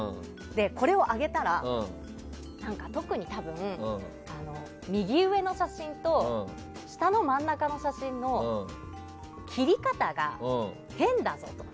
これを上げたら特に多分、右上の写真と下の真ん中の写真の切り方が変だぞと。